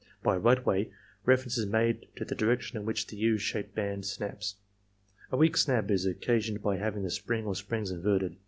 By "Right way," reference is made to the direction in which the U shaped band snaps. A "weak snap" is occasioned by having the spring or springs inverted.